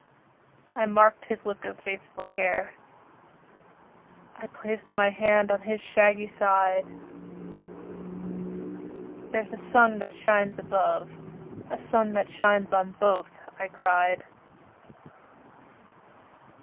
I marked his look of faithful care, I placed my hand on his shaggy side; "There is a sun that shines above, A sun that shines on both," I cried.